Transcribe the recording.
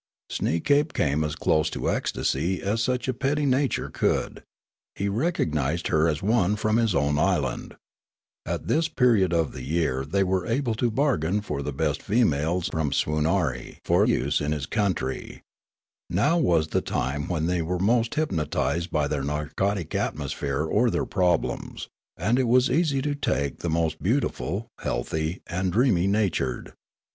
Sueekape came as close to ecstasy as such a petty nature could ; he recognised her as one from his own island ; at this period of the j ear they were able to bargain for the best females from Swoonarie for use in his country ; now was the time when they were most hypnotised b}' their narcotic atmosphere or their problems ; and it was easy to take the most beau tiful, healthy, and dreamy natured.